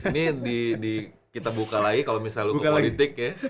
ini di di kita buka lagi kalo misalnya lu ke politik ya